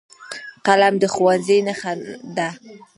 قلم د ښوونځي نښه ده